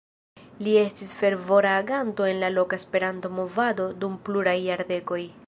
Li estis fervora aganto en la loka Esperanto-movado dum pluraj jardekoj.